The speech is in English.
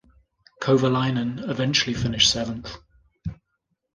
Kovalainen eventually finished seventh.